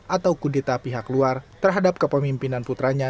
atau kudeta pihak luar terhadap kepemimpinan putranya